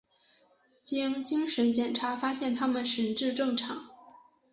经精神检查发现他们神智正常。